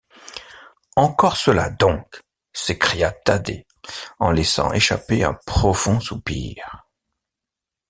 Encore cela, donc! s’écria Thaddée en laissant échapper un profond soupir.